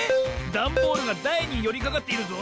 ダンボールがだいによりかかっているぞ。